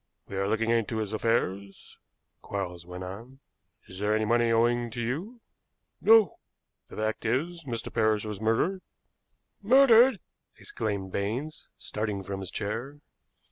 "We are looking into his affairs," Quarles went on. "Is there any money owing to you?" "No." "The fact is, Mr. Parrish was murdered." "Murdered!" exclaimed Baines, starting from his chair.